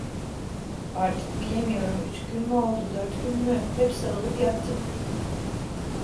Artık bilemiyorum, üç gün mü oldu, dört gün mü, hep sarılıp yattık.